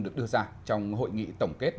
được đưa ra trong hội nghị tổng kết